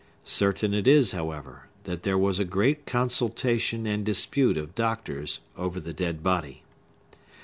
Certain it is, however, that there was a great consultation and dispute of doctors over the dead body.